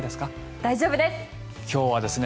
大丈夫です！